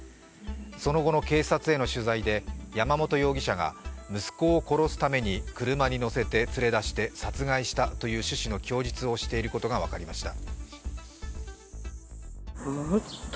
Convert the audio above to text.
その後の警察への取材で山本容疑者が息子を殺すために車に乗せて連れ出して殺害したという趣旨の供述をしていることが分かりました。